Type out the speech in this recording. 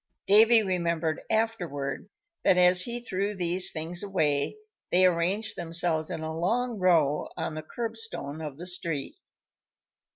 Davy remembered afterward that, as he threw these things away, they arranged themselves in a long row on the curb stone of the street.